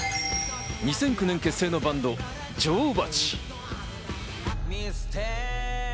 ２００９年結成のバンド、女王蜂。